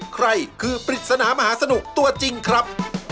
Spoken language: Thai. ใครคือปริศนามหาสนุกตัวจริงครับ